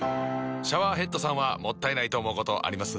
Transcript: シャワーヘッドさんはもったいないと思うことあります？